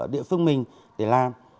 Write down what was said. địa phương mình để làm